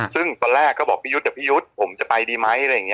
ซึ่งตอนแรกเขาบอกพี่ยุทธ์พี่ยุทธ์ผมจะไปดีไหม